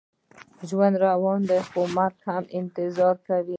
ژوند روان دی، خو مرګ هم انتظار کوي.